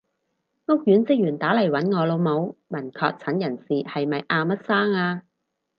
屋苑職員打嚟搵我老母，問確診人士係咪阿乜生啊？